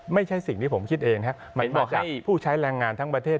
ไม่ใช่สิ่งที่ผมคิดเองนะครับมันบอกให้ผู้ใช้แรงงานทั้งประเทศ